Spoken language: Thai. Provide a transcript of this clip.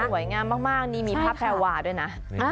สวยงามมากนี่มีพระแพรวาด้วยนะ